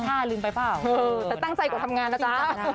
แต่ตั้งใจก่อนทำงานนะจ๊ะ